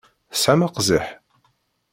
Tesɛam aqziḥ?